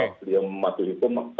beliau memadu hukum